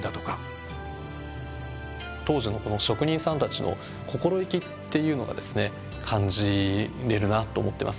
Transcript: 当時のこの職人さんたちの心意気っていうのがですね感じれるなと思ってます。